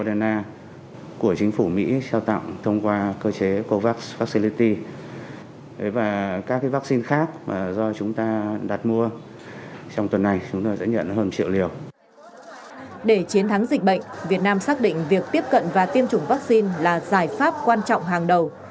để chiến thắng dịch bệnh việt nam xác định việc tiếp cận và tiêm chủng vaccine là giải pháp quan trọng hàng đầu